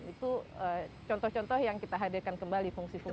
kemudian dulu ada teater terbuka sekarang kita hadirkan kembali teater halaman